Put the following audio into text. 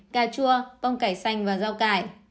cà chua bông cải xanh và rau cải